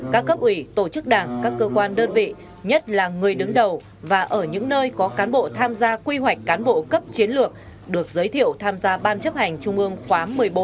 các cấp ủy tổ chức đảng các cơ quan đơn vị nhất là người đứng đầu và ở những nơi có cán bộ tham gia quy hoạch cán bộ cấp chiến lược được giới thiệu tham gia ban chấp hành trung ương khóa một mươi bốn